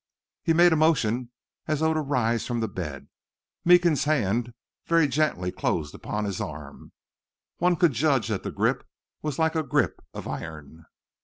He made a motion as though to rise from the bed. Meekins' hand very gently closed upon his arm. One could judge that the grip was like a grip of iron.